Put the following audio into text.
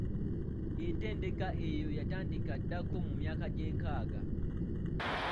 Entendeka eyo yatandika ddako mu myaka gy'enkaga.